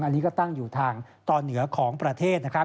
อันนี้ก็ตั้งอยู่ทางตอนเหนือของประเทศนะครับ